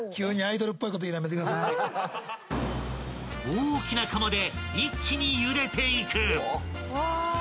［大きな釜で一気にゆでていく］